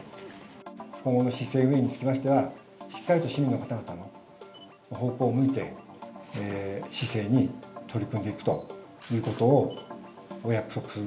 今後の市政運営につきましては、しっかりと市民の方々の方向を向いて、市政に取り組んでいくということをお約束する。